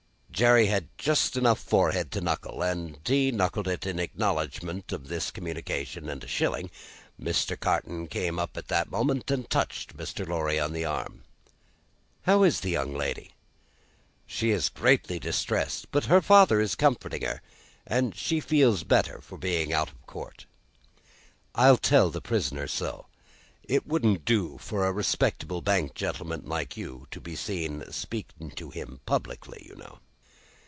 Jerry had just enough forehead to knuckle, and he knuckled it in acknowledgment of this communication and a shilling. Mr. Carton came up at the moment, and touched Mr. Lorry on the arm. "How is the young lady?" "She is greatly distressed; but her father is comforting her, and she feels the better for being out of court." "I'll tell the prisoner so. It won't do for a respectable bank gentleman like you, to be seen speaking to him publicly, you know."